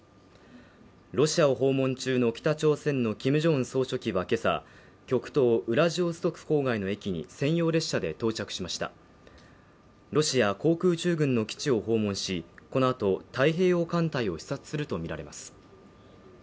ロシアを訪問中の北朝鮮のキム・ジョンウン総書記はけさ極東ウラジオストク郊外の駅に専用列車で到着しましたロシア航空宇宙軍の基地を訪問しこのあと太平洋艦隊を視察するとみられます